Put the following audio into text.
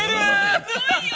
すごいよ！